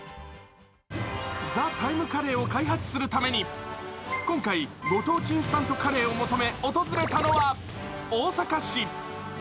カレーを開発するために、今回、ご当地インスタントカレーを求め、訪れたのは大阪市。